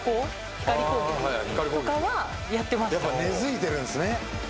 ・やっぱ根付いてるんすね。